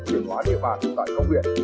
triển hóa địa bàn tại công viện